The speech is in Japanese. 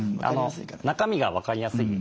中身が分かりやすい。